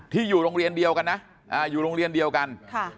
อยู่โรงเรียนเดียวกันนะอยู่โรงเรียนเดียวกัน